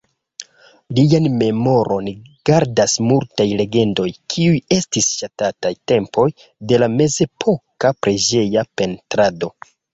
Lian memoron gardas multaj legendoj, kiuj estis ŝatataj tempoj de la mezepoka preĝeja pentrado.